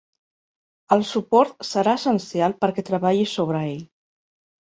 El suport serà essencial perquè treballi sobre ell.